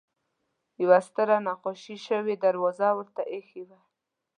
یوه ستره نقاشي شوې دروازه ورته اېښې وه.